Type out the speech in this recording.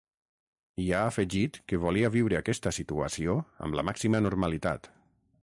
I ha afegit que volia viure aquesta situació amb la màxima normalitat.